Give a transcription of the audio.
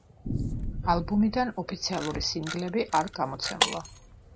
ალბომიდან ოფიციალური სინგლები არ გამოცემულა.